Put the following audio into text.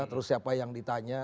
terus siapa yang ditanya